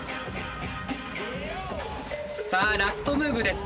さあラストムーブです。